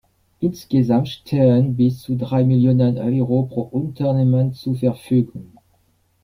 Insgesamt stehen bis zu drei Millionen Euro pro Unternehmen zur Verfügung.